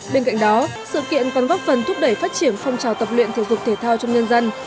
bên cạnh đó sự kiện còn góp phần thúc đẩy phát triển phong trào tập luyện thể dục thể thao trong nhân dân